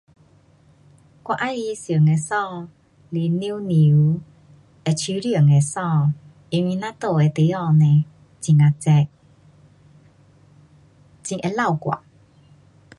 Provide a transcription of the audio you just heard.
我喜欢穿的衣是凉凉，会舒服的衣。因为咱住的地方呢，很呀热。很会流汗。